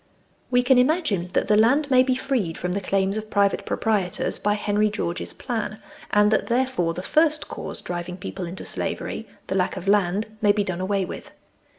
We can imagine that the land may be freed from the claims of private proprietors, by Henry George's plan, and that, therefore, the first cause driving people into slavery the lack of land may be done away with.